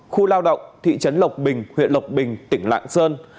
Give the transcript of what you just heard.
khu lao động thị trấn lộc bình huyện lộc bình tỉnh lạng sơn